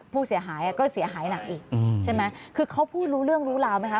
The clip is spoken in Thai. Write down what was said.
ผู้เสียหายก็เสียหายหนักอีกใช่ไหมคือเขาพูดรู้เรื่องรู้ราวไหมคะ